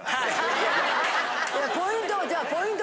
ポイント